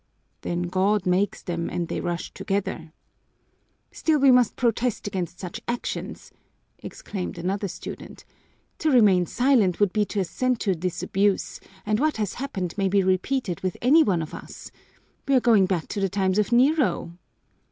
"Then God makes them and they rush together!" "Still we must protest against such actions," exclaimed another student. "To remain silent would be to assent to the abuse, and what has happened may be repeated with any one of us. We're going back to the times of Nero!"